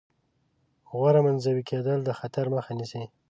غوره منزوي کېدل د خطر مخه نیسي.